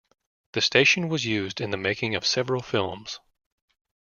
The station was used in the making of several films.